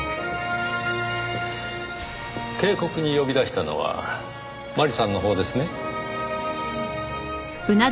渓谷に呼び出したのは麻里さんのほうですね？